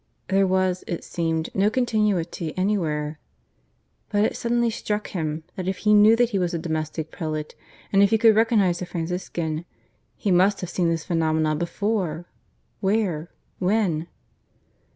There was, it seemed, no continuity anywhere. But it suddenly struck him that if he knew that he was a Domestic Prelate, and if he could recognize a Franciscan, he must have seen those phenomena before. Where? When?